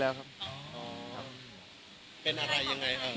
ไม่บอกครับ